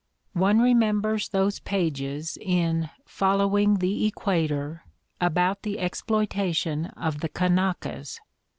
One remembers those pages in "Following the Equator" about the exploita tion of the Kanakas.